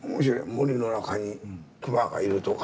森の中に熊がいるとか。